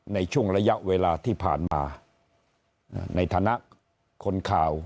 ในช่วงระยะเวลาที่ผ่านมาในฐานะคนข่าว